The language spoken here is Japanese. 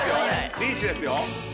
リーチですよ。